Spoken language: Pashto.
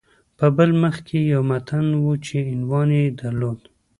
په بل مخ کې یو متن و چې عنوان یې درلود